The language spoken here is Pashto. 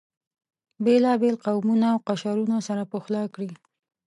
بېلابېل قومونه او قشرونه سره پخلا کړي.